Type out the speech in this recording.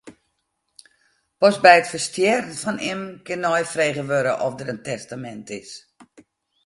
Pas by it ferstjerren fan immen kin neifrege wurde oft der in testamint is.